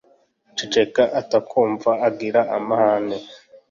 Ceceka atakumva agira amahane